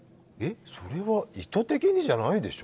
それは意図的にじゃないでしょ。